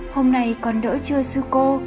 hôm nay con đỡ chưa sư cô